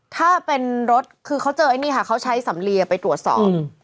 ถ้าเป็นรถคือเค้าเจออันนี้ค่ะเค้าใช้สัมเรียไปตรวจสอบ